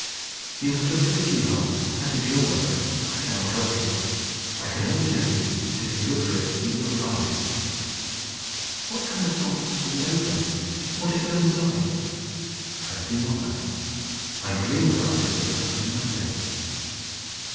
"You must look for the key hole. That is your work. I cannot help you. I can only tell you that if you look for it you will find it." "What kind of box will it open? What is there inside?" "I do not know. I dream about it, but I know nothing."